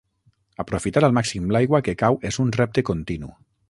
Aprofitar al màxim l'aigua que cau és un repte continu.